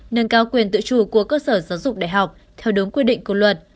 nâng cao quyền tự chủ của cơ sở giáo dục đại học theo đúng quy định của luật